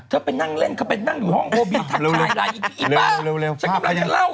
เธอไปนั่งเล่นเขาไปนั่งอยู่ห้องโรมมีไปทักหายอะไรอีกอีกป่าว